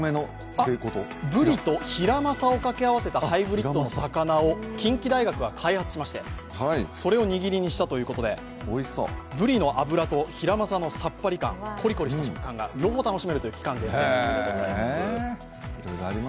ブリとヒラマサとかけ合わせたハイブリッドの魚を近畿大学が開発しまして、それを握りにしたということでブリの脂とヒラマサのさっぱり感、両方楽しめるということです。